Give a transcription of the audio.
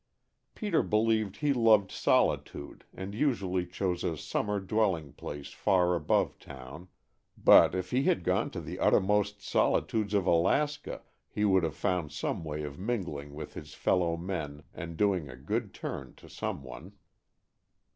Peter believed he loved solitude and usually chose a summer dwelling place far above town, but if he had gone to the uttermost solitudes of Alaska he would have found some way of mingling with his fellow men and of doing a good turn to some one.